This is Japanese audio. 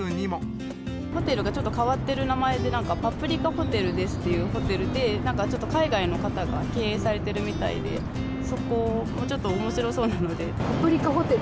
ホテルがちょっと変わってる名前で、なんかパプリカホテルですっていうホテルで、なんかちょっと海外の方が経営されてるみたいで、そこがちょっとパプリカホテル？